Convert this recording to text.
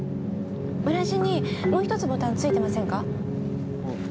裏地にもう１つボタン付いてませんか？